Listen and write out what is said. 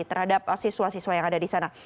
terhadap siswa siswa yang ada di sana